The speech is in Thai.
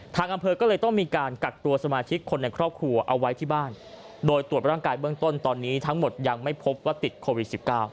ทางอำเภอก็เลยต้องมีการกักตัวสมาชิกคนในครอบครัวเอาไว้ที่บ้านโดยตรวจร่างกายเบื้องต้นตอนนี้ทั้งหมดยังไม่พบว่าติดโควิด๑๙